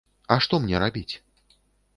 А што мне рабіць?